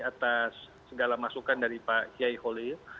atas segala masukan dari pak yai holir